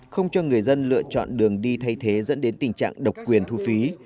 không cho người dân lựa chọn đường đi thay thế dẫn đến tình trạng độc quyền thu phí